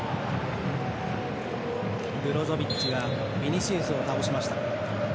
ブロゾビッチはビニシウスを倒しました。